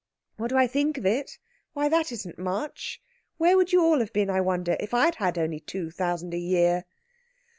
"What do I think of it? Why, that it isn't much. Where would you all have been, I wonder, if I had only had two thousand a year?"